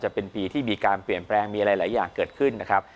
จะเป็นปีที่มีการเปลี่ยนแปลงมีอะไรหลายอย่างเกิดขึ้นนะครับ